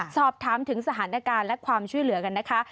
สอบถามถึงสถานการณ์และความช่วยเหลือกันนะคะ